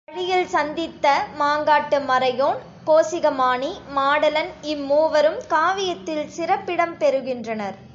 வழியில் சந்தித்த மாங்காட்டு மறையோன், கோசிக மாணி, மாடலன் இம்மூவரும் காவியத்தில் சிறப்பிடம் பெறுகின்றனர்.